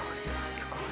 すごい。